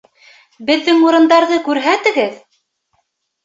Беҙҙең урындарҙы күрһәтегеҙ?